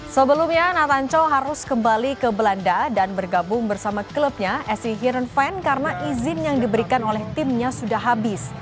sebelumnya nathan chow harus kembali ke belanda dan bergabung bersama klubnya sc heerenveen karena izin yang diberikan oleh timnya sudah habis